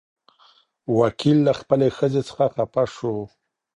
وکيل له خپلې ښځې څخه خپه شو.